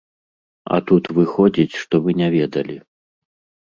А тут выходзіць, што вы не ведалі.